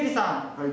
はい。